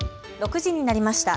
６時になりました。